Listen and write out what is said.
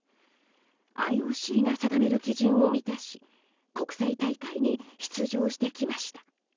ＩＯＣが定める基準を満たし国際大会に出場してきました。